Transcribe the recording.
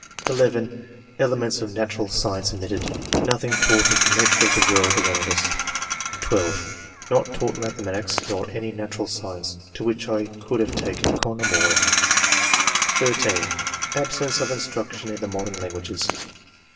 (11) "Elements of natural science omitted; nothing taught of the nature of the world around us." (12) "Not taught mathematics, nor any na tural science, to which I could have taken con amorer 248 ENGLISH MEN OF SCIENCE. [chap. (13) " Absence of instruction in the modem languages."